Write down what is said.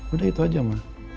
udah itu aja mah